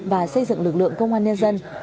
và xây dựng lực lượng công an nhân dân